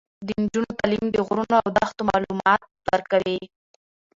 د نجونو تعلیم د غرونو او دښتو معلومات ورکوي.